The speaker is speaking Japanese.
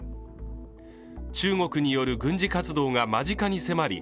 中国による軍事活動が間近に迫り